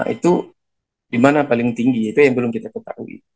itu dimana paling tinggi itu yang belum kita ketahui